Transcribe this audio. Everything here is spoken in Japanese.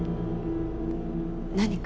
何か？